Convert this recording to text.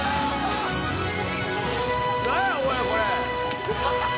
何やお前これ。